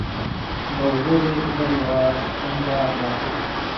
د اوبو ضایع کېدل یوه ستونزه ده.